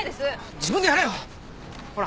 自分でやれよ！ほら。